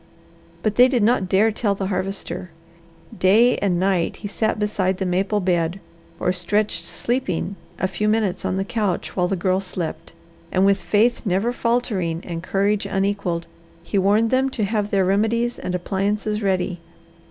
But they did not dare tell the Harvester. Day and night he sat beside the maple bed or stretched sleeping a few minutes on the couch while the Girl slept; and with faith never faltering and courage unequalled, he warned them to have their remedies and appliances ready.